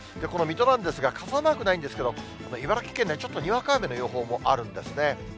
この水戸なんですが、傘マークないんですけど、茨城県にはちょっとにわか雨の予報もあるんですね。